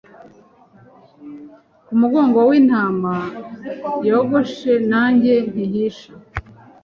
nkumugongo wintama yogosheNanjye nti Hisha